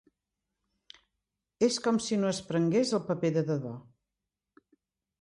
És com si no es prengués el paper de debò.